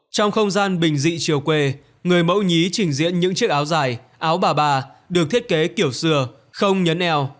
trong không gian bình dị chiều quê người mẫu nhí trình diễn những chiếc áo dài áo bà bà được thiết kế kiểu dừa không nhấn èo